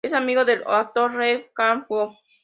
Es amigo del actor Lee Kwang-soo.